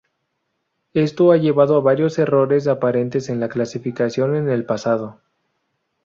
Esto ha llevado a varios errores aparentes en la clasificación en el pasado.